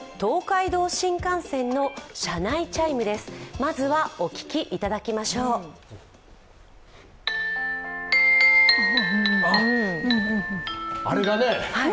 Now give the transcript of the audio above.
まずは、お聴きいただきましょうあれだね。